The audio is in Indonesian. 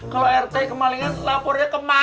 kalau rt kemalingan lapornya kemana